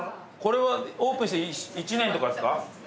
これはオープンして１年とかですか？